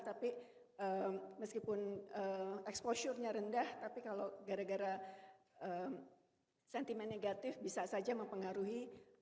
tapi meskipun exposure nya rendah tapi kalau gara gara sentimen negatif bisa saja mempengaruhi